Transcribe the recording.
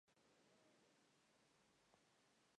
Al final del video renuncia a su uniforme y regala las monedas.